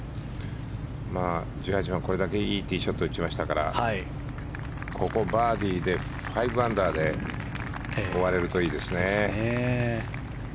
１８番、これだけいいティーショットを打ちましたからここバーディーで５アンダーで終われるといいですね。